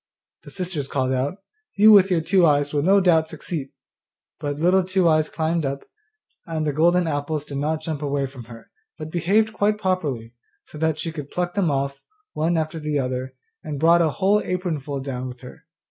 The sisters called out, 'You with your two eyes will no doubt succeed!' But Little Two eyes climbed up, and the golden apples did not jump away from her, but behaved quite properly, so that she could pluck them off, one after the other, and brought a whole apron full down with her.